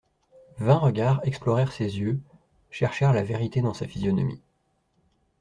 Vingt regards explorèrent ses yeux, cherchèrent la vérité dans sa physionomie.